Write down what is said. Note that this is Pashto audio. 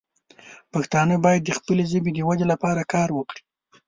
پښتانه باید د خپلې ژبې د ودې لپاره کار وکړي.